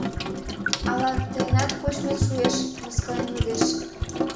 «Ала тыйынат кочмет шуэш? — мыскылен йодеш.